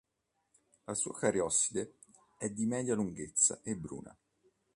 La sua cariosside è di media lunghezza e bruna.